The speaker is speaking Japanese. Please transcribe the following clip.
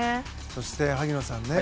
そして、萩野さんね